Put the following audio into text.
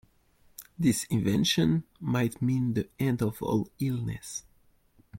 This invention might mean the end of all illness.